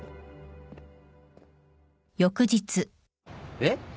えっ？